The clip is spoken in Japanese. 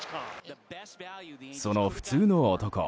その普通の男